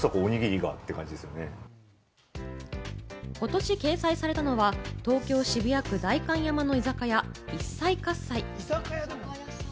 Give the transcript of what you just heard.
今年、掲載されたのは東京・渋谷区代官山の居酒屋、いっさい喝采。